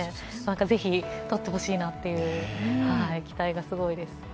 ぜひ取ってほしいなと期待がすごいです。